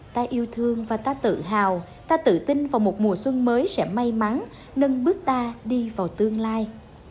ta yêu thương và ta tự hào ta tự tin vào một mùa xuân mới sẽ may mắn nâng bước ta đi vào tương lai